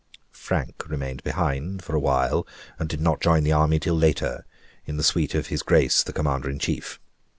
Frank remained behind for a while, and did not join the army till later, in the suite of his Grace the Commander in Chief.